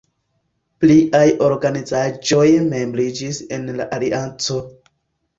Pliaj organizaĵoj membriĝis en la alianco.